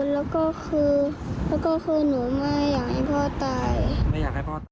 แล้วก็คือหนูไม่อยากให้พ่อตาย